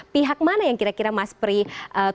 pihak mana yang kira kira mas pri ketahui